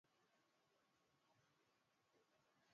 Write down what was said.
i mimi mtazamo wangu juu ya serikali hizi za pamoja